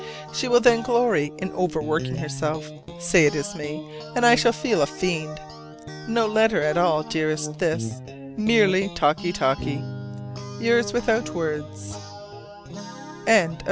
She will then glory in overworking herself, say it is me; and I shall feel a fiend. No letter at all, dearest, this; merely talky talky. Yours without words. LETTER XXX.